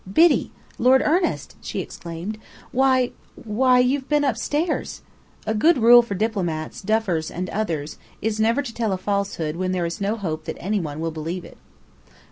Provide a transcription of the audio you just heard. "Biddy! Lord Ernest!" she exclaimed. "Why why you have been upstairs!" A good rule for diplomats, duffers, and others, is never to tell a falsehood when there is no hope that any one will believe it.